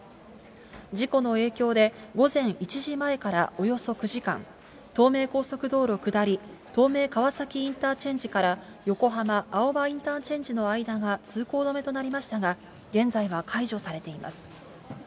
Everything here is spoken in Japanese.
事故の影響で、午前１時前からおよそ９時間、東名高速道路下り東名川崎インターチェンジから横浜青葉インターチェンジの間が通行止めとなりましたが、現在は解除されています。